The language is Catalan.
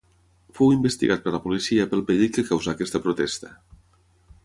Fou investigat per la policia pel perill que causà aquesta protesta.